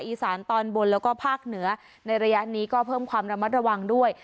อีสานตอนบนแล้วก็ภาคเหนือในระยะนี้ก็เพิ่มความระมัดระวังด้วย